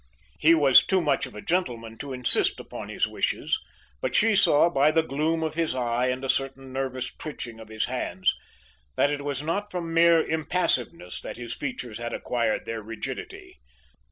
He was too much of a gentleman to insist upon his wishes, but she saw by the gloom of his eye and a certain nervous twitching of his hands that it was not from mere impassiveness that his features had acquired their rigidity.